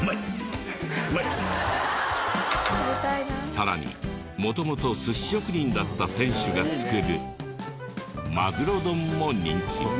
さらに元々寿司職人だった店主が作るまぐろ丼も人気。